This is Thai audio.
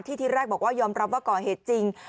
ที่ที่แรกบอกว่ายอมรับว่าก่อเหตุจริง